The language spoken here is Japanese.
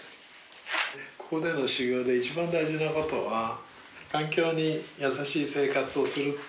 ここでの修業で一番大事なことは環境に優しい生活をするってことなんだから。